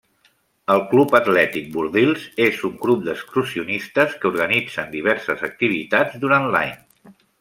El Club Atlètic Bordils és un grup d'excursionistes que organitzen diverses activitats durant l'any.